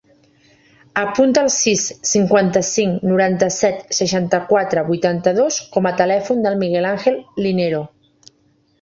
Apunta el sis, cinquanta-cinc, noranta-set, seixanta-quatre, vuitanta-dos com a telèfon del Miguel àngel Linero.